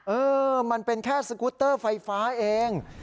เออมันเป็นแค่สกุตเตอร์ไฟฟ้าเอง